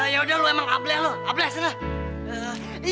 ya udah lo emang ableh lo ableh sini